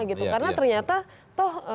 gitu karena ternyata toh